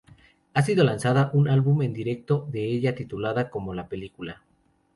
Ha sido lanzada un álbum en directo de ella, titulada como la película.